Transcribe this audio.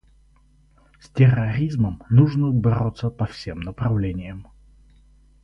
С терроризмом нужно бороться по всем направлениям.